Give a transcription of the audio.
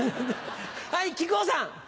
はい木久扇さん。